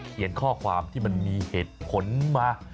ข้อความที่มันมีเหตุผลมา